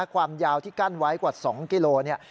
ความยาวที่กั้นไว้กว่า๒กิโลเนี่ย